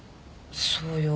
そうよ。